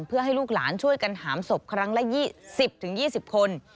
เพื่อให้ลูกหลานช่วยกันหามศพครั้งละ๒๐๒๐คน